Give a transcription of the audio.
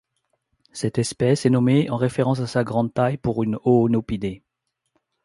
Cette espèce est nommée en référence à sa grande taille pour une Oonopidae.